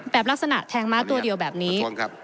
ลักษณะแทงม้าตัวเดียวแบบนี้